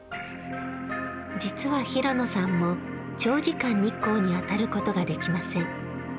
実は平野さんも長時間、日光に当たることができません。